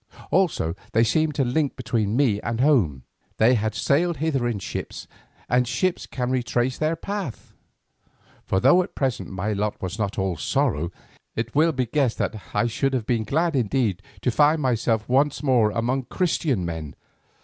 Also they seemed a link between me and home. They had sailed hither in ships, and ships can retrace their path. For though at present my lot was not all sorrow, it will be guessed that I should have been glad indeed to find myself once more among Christian men.